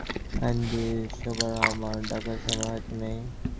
Andrea স্ট্যাভ্রোসকে আমায় সাহায্য করতে ডাকার সময়ও হয়ত নেই।